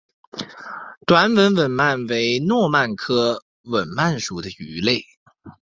短吻吻鳗为糯鳗科吻鳗属的鱼类。